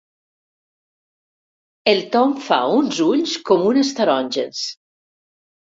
El Tom fa uns ulls com unes taronges.